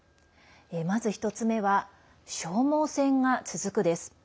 まず１つ目は、消耗戦が続くです。